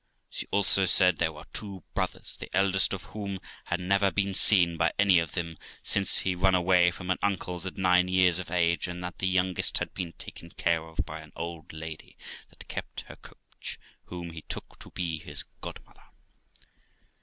She also said there were two brothers, the eldest of whom had never been seen by any of them since he run away from an uncle's at nine years of age, and that the youngest had been taken care of by an old lady that kept her coach, whom he took to be his godmother.